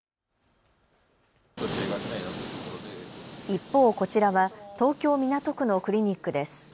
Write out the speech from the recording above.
一方、こちらは東京港区のクリニックです。